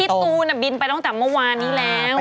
ตูนบินไปตั้งแต่เมื่อวานนี้แล้ว